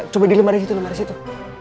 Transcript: coba dilemari situ lemari situ